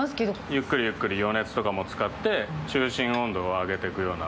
ゆっくりゆっくり余熱とかも使って、中心温度を上げていくような。